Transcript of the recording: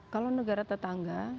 kalau negara tetangga